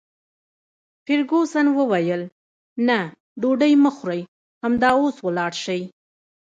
فرګوسن وویل: نه، ډوډۍ مه خورئ، همدا اوس ولاړ شئ.